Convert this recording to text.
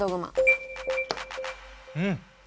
うん。